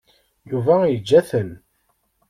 Yuba yeǧǧa-ten.